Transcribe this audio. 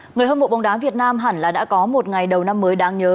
người hâm mộ bóng đá việt nam hẳn là đã có một ngày đầu năm mới đáng nhớ